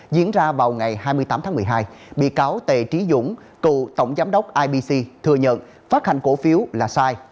diễn ra vào ngày hai mươi tám tháng một mươi hai bị cáo tề trí dũng cựu tổng giám đốc ibc thừa nhận phát hành cổ phiếu là sai